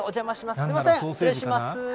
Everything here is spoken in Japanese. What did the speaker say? すみません、失礼します。